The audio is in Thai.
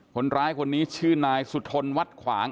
คนร้ายคนนี้ชื่อนายสุธนวัดขวาง